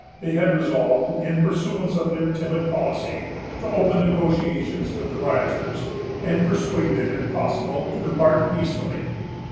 They had resolved, in pursuance of their timid policy, to open negotiations with the rioters, and persuade them, if possible, to depart peacefully.